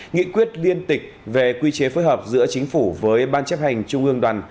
nghị quyết liên tịch về quy chế phối hợp giữa chính phủ với ban chấp hành trung ương đoàn